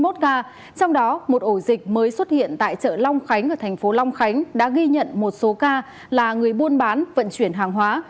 trong đó một ổ dịch mới xuất hiện tại chợ long khánh ở thành phố long khánh đã ghi nhận một số ca là người buôn bán vận chuyển hàng hóa